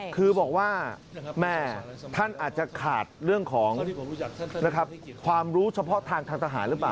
คือบอกว่าแม่ท่านอาจจะขาดเรื่องของความรู้เฉพาะทางทางทหารหรือเปล่า